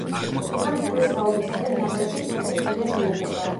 ციხე მტკვრის ხეობისაკენ დამრეცი ფერდის კიდეს მიუყვება.